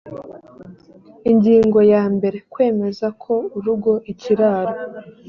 ingingo yambere kwemeza ko urugo ikiraro